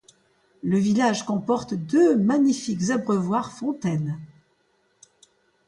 Le village comporte deux magnifiques abreuvoirs fontaines.